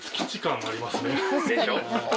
でしょ？